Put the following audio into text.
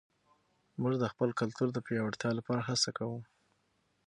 موږ د خپل کلتور د پیاوړتیا لپاره هڅه کوو.